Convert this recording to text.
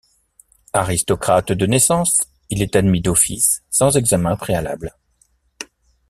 Aristocrate de naissance, il est admis d'office sans examen préalable.